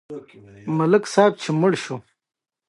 ملک صاحب چې مړ شو، ښځه او اولادونه ته بده ورځ راغله.